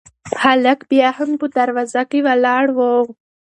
هلک بیا هم په دروازه کې ولاړ و.